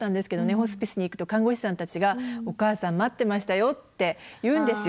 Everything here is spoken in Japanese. ホスピスに行くと看護師さんたちがお母さん待ってましたよって言うんですよ。